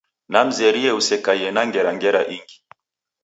Namzerie usekaie na ngera ngera ingi.